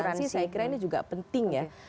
tapi saya kira ini juga penting ya